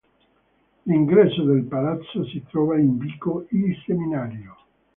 L'ingresso del palazzo si trova in vico I Seminario.